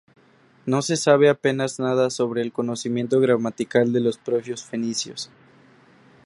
No se sabe apenas nada sobre el conocimiento gramatical de los propios fenicios.